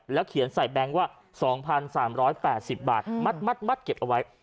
เขียนใส่แบงค์ว่า๒๓๘๐บาทมัดเก็บเอาไว้